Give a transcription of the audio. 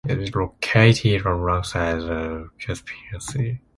It is located alongside the Caspian Sea.